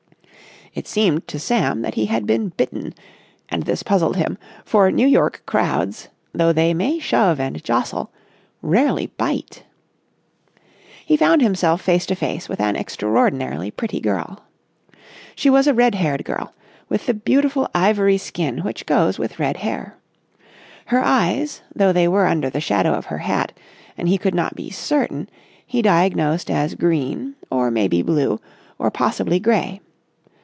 It seemed to Sam that he had been bitten, and this puzzled him, for New York crowds, though they may shove and jostle, rarely bite. He found himself face to face with an extraordinarily pretty girl. She was a red haired girl, with the beautiful ivory skin which goes with red hair. Her eyes, though they were under the shadow of her hat, and he could not be certain, he diagnosed as green, or may be blue, or possibly grey.